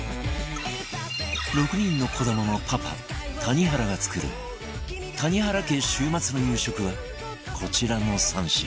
６人の子どものパパ谷原が作る谷原家週末の夕食はこちらの３品